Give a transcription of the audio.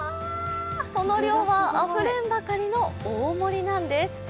その量はあふれんばかりの大盛りなんです。